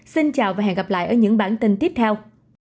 xin chào và hẹn gặp lại ở những bản tin tiếp theo